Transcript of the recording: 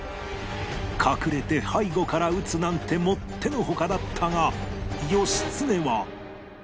隠れて背後から討つなんてもってのほかだったが義経は